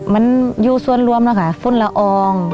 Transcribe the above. มันอยู่ส่วนรวมพุ่นล่าออง